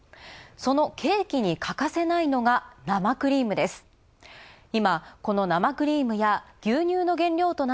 そのケーキに欠かせないのが、生クリームです。